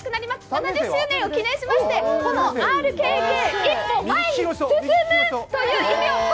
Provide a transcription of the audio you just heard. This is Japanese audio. ７０周年を記念しましてＲＫＫ一歩前に進むという意味です。